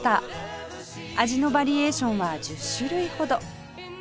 味のバリエーションは１０種類ほど